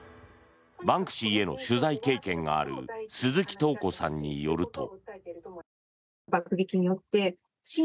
バンクシーへの取材経験がある鈴木沓子さんによると。